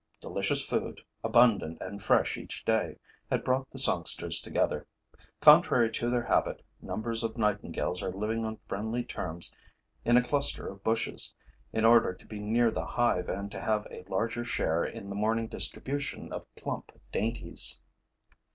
Delicious food, abundant and fresh each day, had brought the songsters together. Contrary to their habit, numbers of nightingales are living on friendly terms in a cluster of bushes, in order to be near the hive and to have a larger share in the morning distribution of plump dainties.